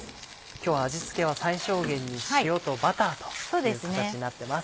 今日は味付けは最小限に塩とバターという形になってます。